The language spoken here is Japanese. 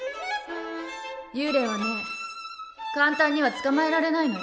簡単には捕まえられないのよ